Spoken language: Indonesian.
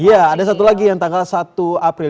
ya ada satu lagi yang tanggal satu april